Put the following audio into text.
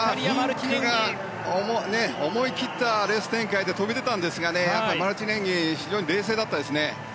フィンクが思い切ったレース展開で飛び出たんですがマルティネンギ非常に冷静でしたね。